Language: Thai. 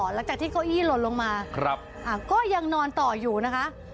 หลังจากที่เก้าอี้ลดลงมาก็ยังนอนต่ออยู่นะคะ